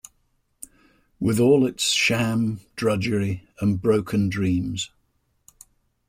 With all its sham, drudgery and broken dreams